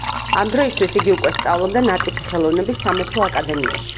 ამ დროისთვის იგი უკვე სწავლობდა ნატიფი ხელოვნების სამეფო აკადემიაში.